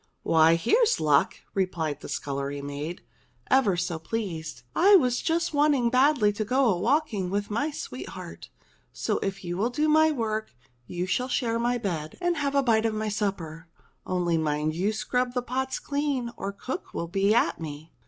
"Why! Here's luck," replied the scullery maid, ever so pleased. "I was just wanting badly to go a walking with my sweetheart. So if you will do my work you shall share my bed and have a bite of my supper. Only mind you scrub the pots clean or cook will be at me."